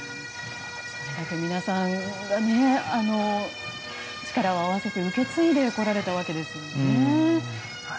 皆さんが力を合わせて受け継いでこられたわけですよね。